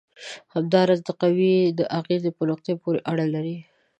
همدا راز د قوې د اغیزې په نقطې پورې اړه لري.